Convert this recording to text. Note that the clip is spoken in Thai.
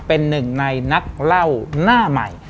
เป็นหนึ่งในนักเล่าหน้าใหม่